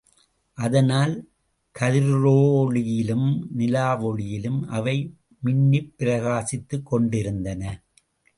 அதனால் கதிரோளியிலும் நிலவொளியிலும் அவை மின்னிப் பிரகாசித்துக்கொண்டிருந்தன.